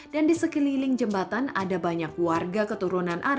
dan di sekililing jembatan ada banyak warga keturunan arab yang berdikari